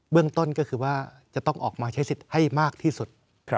เรื่องต้นก็คือว่าจะต้องออกมาใช้สิทธิ์ให้มากที่สุด